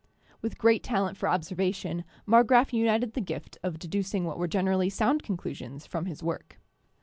With great talent for observation Marggraf united the gift of deducing what were generally sound conclusions from his work.